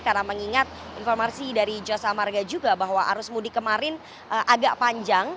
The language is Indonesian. karena mengingat informasi dari jasa marga juga bahwa arus mudik kemarin agak panjang